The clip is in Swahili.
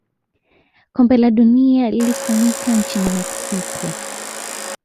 kombe la dunia lilifanyika nchini mexico